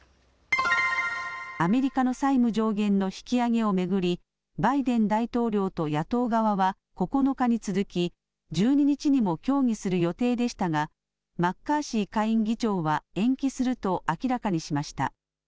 アメリカの債務上限の引き上げを巡りバイデン大統領と野党側は９日に続き１２日にも協議する予定でしたがマッカーシー下院議長は延期すると明らかにしました。